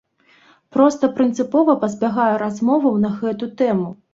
Проста прынцыпова пазбягаю размоваў на гэту тэму.